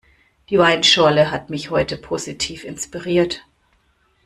Die Weinschorle hat mich heute positiv inspiriert.